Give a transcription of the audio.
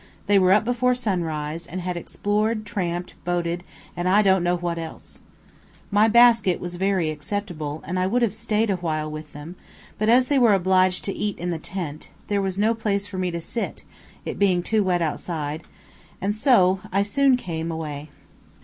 They were up before sunrise, and had explored, tramped, boated, and I don't know what else. My basket was very acceptable, and I would have stayed awhile with them, but as they were obliged to eat in the tent, there was no place for me to sit, it being too wet outside, and so I soon came away.